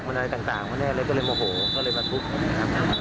มันอะไรต่างแน่เลยก็เลยโมโหก็เลยมาทุบนะครับ